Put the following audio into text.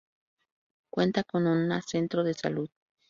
Cuenta con una centro de salud.